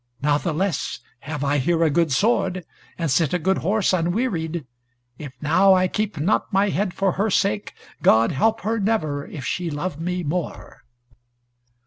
Natheless have I here a good sword, and sit a good horse unwearied. If now I keep not my head for her sake, God help her never, if she love me more!"